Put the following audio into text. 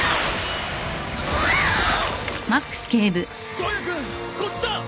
颯也君こっちだ！